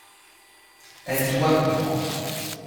Elle doit comprendre.